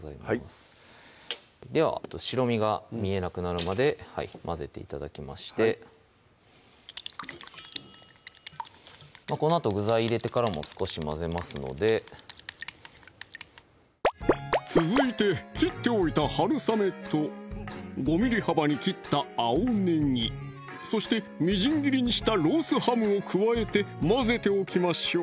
はいでは白身が見えなくなるまで混ぜて頂きましてこのあと具材入れてからも少し混ぜますので続いて切っておいたはるさめと５ｍｍ幅に切った青ねぎそしてみじん切りにしたロースハムを加えて混ぜておきましょう